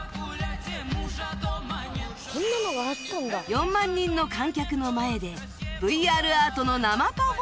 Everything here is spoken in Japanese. ４万人の観客の前で ＶＲ アートの生パフォーマンス